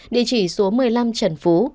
địa chỉ số một mươi năm trần phú